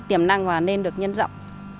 tiềm năng và nên được nhân dọng